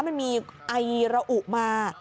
มันมีไอเหล่ามา